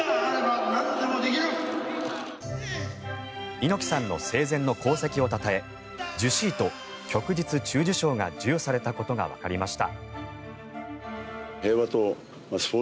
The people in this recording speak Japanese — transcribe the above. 猪木さんの生前の功績をたたえ従四位と旭日中綬章が授与されたことがわかりました。